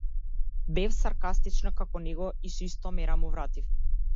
Бев саркастична како него и со иста мера му вратив.